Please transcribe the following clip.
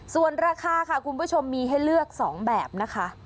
ส่วนราคาค่ะคุณผู้ชมมีให้เลือก๒แบบนะคะ